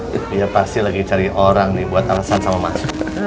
dia pasti lagi cari orang nih buat alasan sama mas